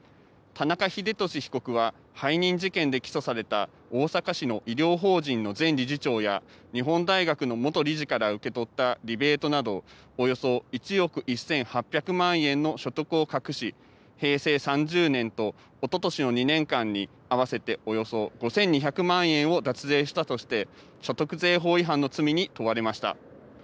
田中英壽被告は背任事件で起訴された大阪市の医療法人の前理事長や日本大学の元理事から受け取ったリベートなどおよそ１億１８００万円の所得を隠し、平成３０年とおととしの２年間に合わせておよそ５２００万円を脱税したとして所得税法違反の罪に問われました。